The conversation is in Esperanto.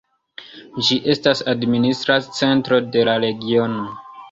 Ĝi estas administra centro de la regiono.